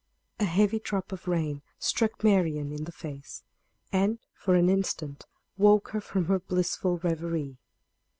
A heavy drop of rain struck Marian in the face, and, for an instant, woke her from her blissful reverie.